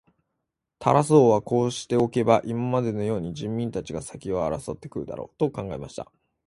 タラス王はこうしておけば、今までのように人民たちが先を争って来るだろう、と考えていました。